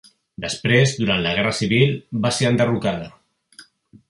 Després, durant la Guerra Civil, va ser enderrocada.